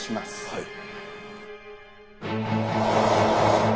はい。